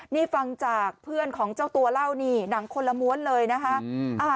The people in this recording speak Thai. นี่ฟังจากเพื่อนของเจ้าตัวเล่านี่หนังคนละม้วนเลยนะคะ